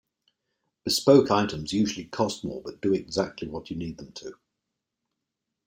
Bespoke items usually cost more but do exactly what you need them to.